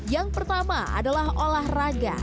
yang pertama adalah olahraga